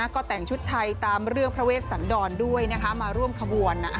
ก็แต่งชุดไทยตามเรื่องพระเวชสันดรด้วยมาร่วมขบวน